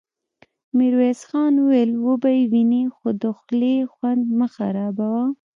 ميرويس خان وويل: وبه يې وينې، خو د خولې خوند مه خرابوه!